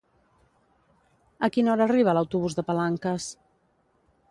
A quina hora arriba l'autobús de Palanques?